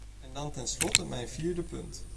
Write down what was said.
En dan tenslotte mijn vierde punt.